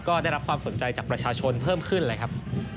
ก็ได้รับความสนใจจากประชาชนเพิ่มขึ้นเลยครับ